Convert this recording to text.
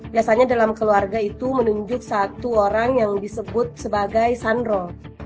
biasanya dalam keluarga itu menunjuk satu orang yang disebut sebagai sandro